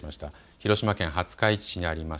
広島県廿日市市にあります